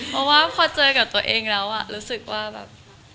เพราะว่าพอเจอกับตัวเองแล้วรู้สึกว่าแบบ